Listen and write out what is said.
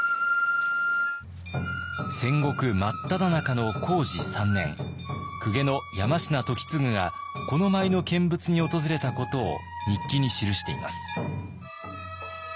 戦国真っただ中の弘治３年公家の山科言継がこの舞の見物に訪れたことを日記に記しています。